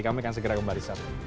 kami akan segera kembali